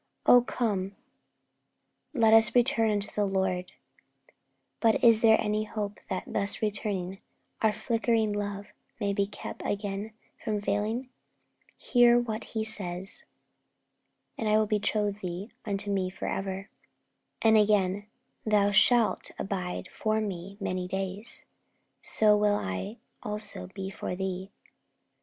Oh, 'Come and let us return unto the Lord!' But is there any hope that, thus returning, our flickering love may be kept from again failing? Hear what He says: 'And I will betroth thee unto Me for ever' And again: 'Thou shalt abide for Me many days; so will I also be for thee.'